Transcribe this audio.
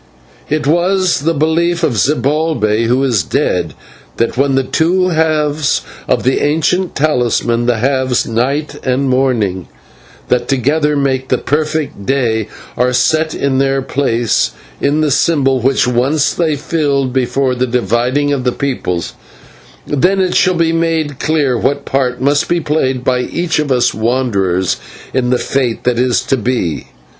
It was the belief of Zibalbay, who is dead, that when the two halves of the ancient talisman the halves Night and Morning, that together make the perfect Day are set in their place in the symbol which once they filled before the dividing of peoples, then it shall be made clear what part must be played by each of us wanderers in the fate that is to be.